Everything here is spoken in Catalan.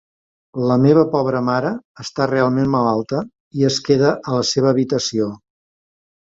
La meva pobra mare està realment malalta i es queda a la seva habitació.